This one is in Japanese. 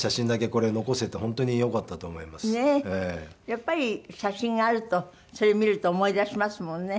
やっぱり写真があるとそれ見ると思い出しますもんね。